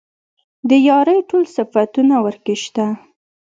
د يارۍ ټول صفتونه ورکې شته.